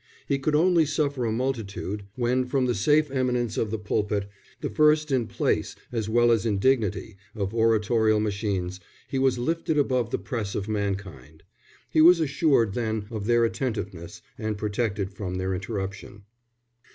He could only suffer a multitude when from the safe eminence of the pulpit, the first in place as well as in dignity of oratorial machines, he was lifted above the press of mankind. He was assured then of their attentiveness and protected from their interruption.